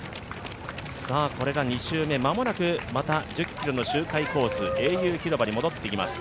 これが２周目、間もなくまた１０ｋｍの周回コース、英雄広場に戻ってきます。